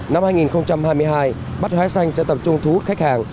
năm hai nghìn hai mươi hai bát hóa xanh sẽ tập trung thu hút khách hàng